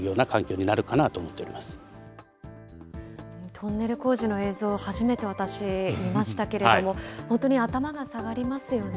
トンネル工事の映像、初めて私、見ましたけれども、本当に頭が下がりますよね。